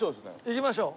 行きましょう。